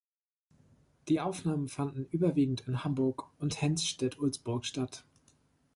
Die Aufnahmen fanden überwiegend in Hamburg und Henstedt-Ulzburg statt.